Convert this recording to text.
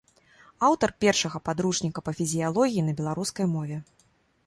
Аўтар першага падручніка па фізіялогіі на беларускай мове.